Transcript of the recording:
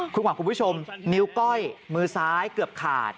คุณขวัญคุณผู้ชมนิ้วก้อยมือซ้ายเกือบขาด